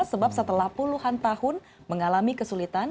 sebab setelah puluhan tahun mengalami kesulitan